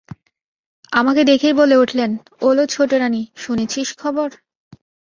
আমাকে দেখেই বলে উঠলেন, ওলো ছোটোরানী, শুনেছিস খবর?